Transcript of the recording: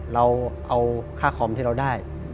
เราเอาค่าคอมที่เราได้